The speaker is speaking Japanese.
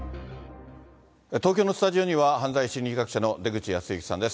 東京のスタジオには、犯罪心理学者の出口保行さんです。